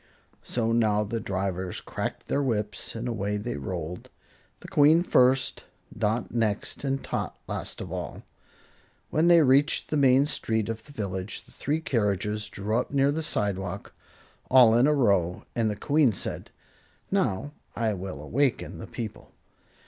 So now the drivers cracked their whips and away they rolled, the Queen first, Dot next and Tot last of all. When they reached the main street of the village, the three carriages drew up near the sidewalk, all in a row, and the Queen said: "Now I will awaken the people."